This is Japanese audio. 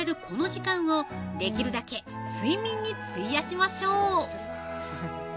この時間を、できるだけ睡眠に費やしましょう。